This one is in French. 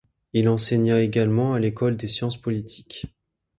Il enseigna également à l’École des Sciences Politiques.